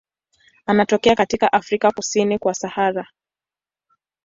Anatokea katika Afrika kusini kwa Sahara.